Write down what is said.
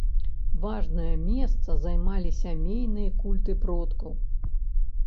Важнае месца займалі сямейныя культы продкаў.